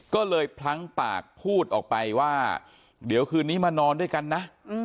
ก็เลยพลั้งปากพูดออกไปว่าเดี๋ยวคืนนี้มานอนด้วยกันนะ